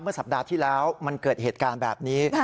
สัปดาห์ที่แล้วมันเกิดเหตุการณ์แบบนี้